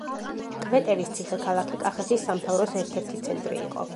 კვეტერის ციხე-ქალაქი კახეთის სამთავროს ერთ-ერთი ცენტრი იყო.